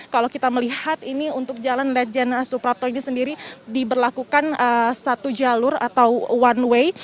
kalau kita melihat ini untuk jalan ledjen suprapto ini sendiri diberlakukan satu jalur atau one way